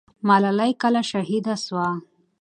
ملالۍ کله شهیده سوه؟